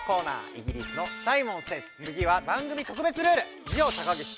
イギリスのサイモンセズつぎは番組特別ルール。